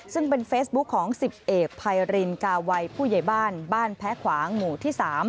ซึ่งเป็นเฟซบุ๊คของ๑๐เอกไพรินกาวัยผู้ใหญ่บ้านบ้านแพ้ขวางหมู่ที่๓